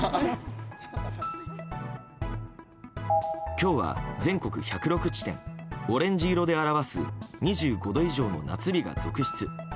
今日は、全国１０６地点オレンジ色で表す２５度以上の夏日が続出。